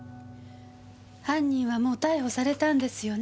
犯人はもう逮捕されたんですよね？